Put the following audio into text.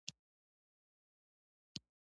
د تبخیر میزان په تودوخې درجې پورې اړه لري.